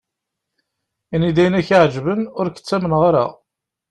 Ini-d ayen i ak-iɛeǧben, ur k-ttamneɣ ara.